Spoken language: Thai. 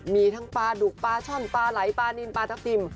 มีทั้งปลาดุกปลาช่อนปลาไหลปลานินปลาทับทิม